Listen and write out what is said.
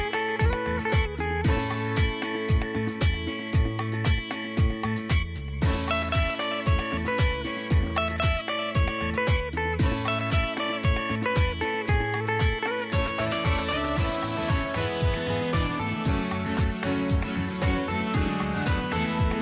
สวัสดีครับสวัสดีครับ